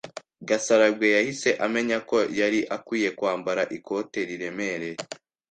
Gasarabwe yahise amenya ko yari akwiye kwambara ikote riremereye.